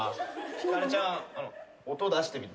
ひかるちゃん音出してみて。